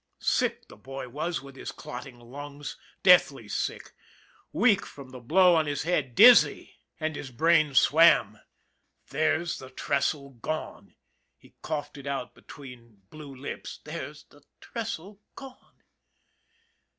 " Sick the boy was with his clotting lungs, deathly sick, weak from the blow on his head, dizzy, and his 150 ON THE IRON AT BIG CLOUD brain swam. " There's the trestle gone! " he coughed it out between blue lips. " There's the trestle gone!